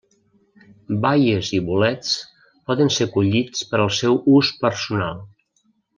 Baies i bolets poden ser collits per al seu ús personal.